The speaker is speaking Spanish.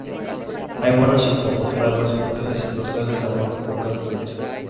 Hay buenos y confortables hoteles y hostales a muy poca distancia.